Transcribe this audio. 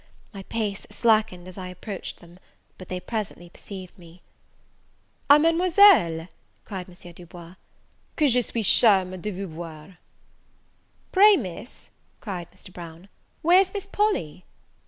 My pace slackened as I approached them, but they presently perceived me. "Ah, Mademoiselle!" cried M. Du Bois, "Que je suis charm e; de vous voir!" "Pray, Miss," cried Mr. Brown, "where's Miss Polly?"